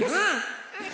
うん！